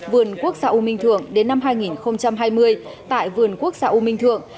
vườn quốc gia u minh thượng đến năm hai nghìn hai mươi tại vườn quốc gia u minh thượng